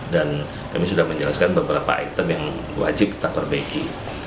dan kami sudah menjelaskan beberapa item yang wajib kita perbaiki